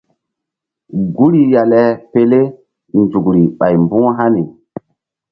Guri ya le pele nzukri ɓay mbu̧h hani.